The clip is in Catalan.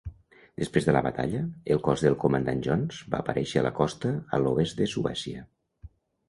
Després de la batalla, el cos del comandant Jones va aparèixer a la costa a l'oest de Suècia.